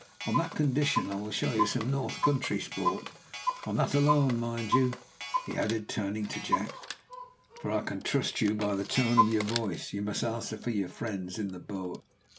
On that condition I will show you some north country sport on that alone, mind. You," he added, turning to Jack, "for I can trust you by the tone of your voice, must answer for your friends in the boat."